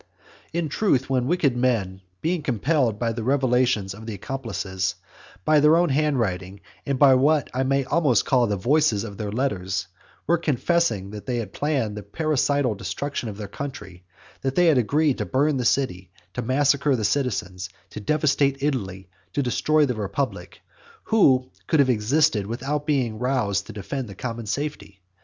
In truth, when wicked men, being compelled by the revelations of the accomplices, by their own handwriting, and by what I may almost call the voices of their letters, were confessing that they had planned the parricidal destruction of their country, and that they had agreed to burn the city, to massacre the citizens, to devastate Italy, to destroy the republic; who could have existed without being roused to defend the common safety?